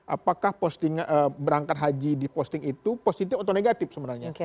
apakah berangkat haji di posting itu positif atau negatif sebenarnya